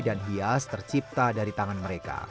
dan hias tercipta dari tangan mereka